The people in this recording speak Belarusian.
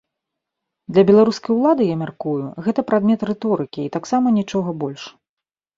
Для беларускай улады, я мяркую, гэта прадмет рыторыкі і таксама нічога больш.